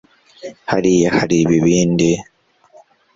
hariya hari ibibindi